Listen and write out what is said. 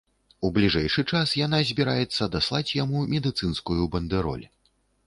У бліжэйшы час яна збіраецца даслаць яму медыцынскую бандэроль.